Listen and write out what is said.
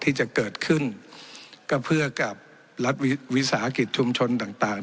ที่จะเกิดขึ้นก็เพื่อกับรัฐวิสาหกิจชุมชนต่างต่าง